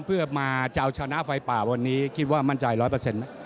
เพื่อมาจะเอาชนะไฟป่าวันนี้คิดว่ามั่นใจร้อยเปอร์เซ็นต์